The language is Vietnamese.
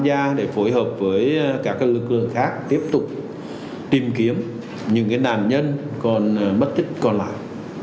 công an tham gia để phối hợp với các lực lượng khác tiếp tục tìm kiếm những nạn nhân còn mất tích còn lại